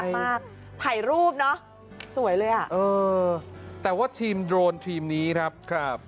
มากถ่ายรูปเนอะสวยเลยอ่ะเออแต่ว่าทีมโดรนทีมนี้ครับครับ